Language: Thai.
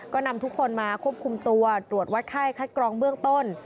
ก็นำทุกคนมาควบคุมตัวตรวจวัดไข้คัดกรองเบื้องต้น